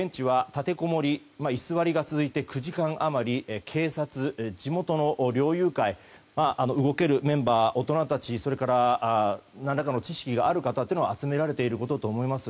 現地では居座りが続いて９時間余り警察、地元の僚友会動けるメンバー、大人たちそれから何らかの知識がある方が集められていることと思います。